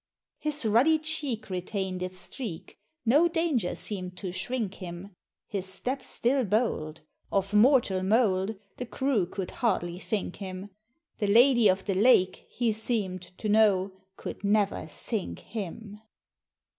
His ruddy cheek retained its streak, No danger seem'd to shrink him: His step still bold of mortal mould The crew could hardly think him: The Lady of the Lake, he seem'd To know; could never sink him.